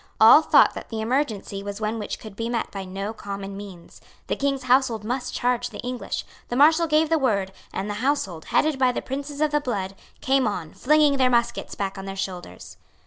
All thought that the emergency was one which could be met by no common means. The King's household must charge the English. The Marshal gave the word; and the household, headed by the princes of the blood, came on, flinging their muskets back on their shoulders.